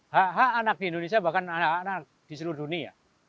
hak hak anak di indonesia bahkan anak anak di seluruh dunia